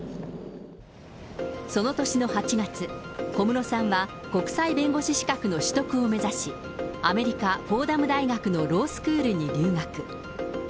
その年の８月、小室さんは国際弁護士資格の取得を目指し、アメリカ・フォーダム大学のロースクールに留学。